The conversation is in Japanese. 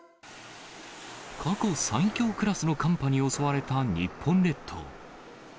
過去最強クラスの寒波に襲われた日本列島。